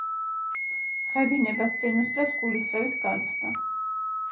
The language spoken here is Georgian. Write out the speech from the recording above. ღებინებას წინ უსწრებს გულისრევის განცდა.